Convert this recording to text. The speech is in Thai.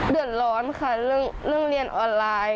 เดือดร้อนค่ะเรื่องเรียนออนไลน์